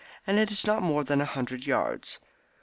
And it is not more than a hundred yards."